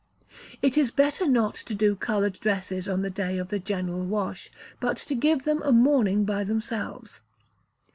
It is better not to do coloured dresses on the day of the general wash, but to give them a morning by themselves.